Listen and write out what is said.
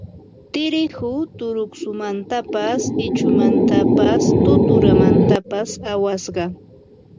Tirihu turuqsumantapas ichumantapas tuturamantapas awasqa